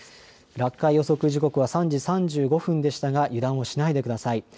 落下予測時刻は３時３５分でしたが油断をしないでください。